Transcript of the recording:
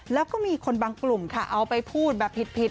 แล้วก็มีคนบางกลุ่มค่ะเอาไปพูดแบบผิด